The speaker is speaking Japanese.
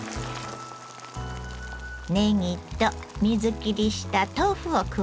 ねぎと水切りした豆腐を加えます。